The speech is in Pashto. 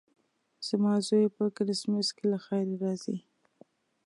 زما زوی په کرېسمس کې له خیره راځي.